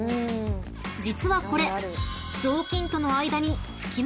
［実はこれ］